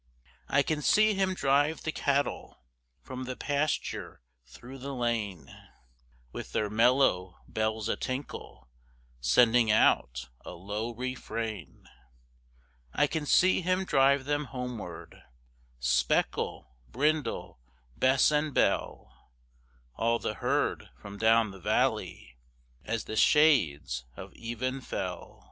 I can see him drive the cattle From the pasture through the lane With their mellow bells a tinkle, Sending out a low refrain; I can see him drive them homeward, Speckle, Brindle, Bess and Belle; All the herd from down the valley As the shades of even fell.